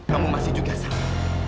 kamu masih juga sabar